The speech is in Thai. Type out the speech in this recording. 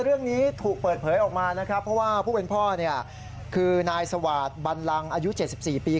เรื่องนี้ถูกเปิดเผยออกมาเพราะว่าผู้เป็นพ่อคือนายสวาสตร์บันรังอายุ๗๔ปี